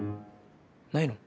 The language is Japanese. ないの？